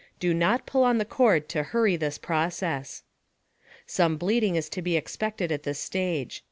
Do not pull on the cord to hurry this process. Some bleeding is to be expected at this stage.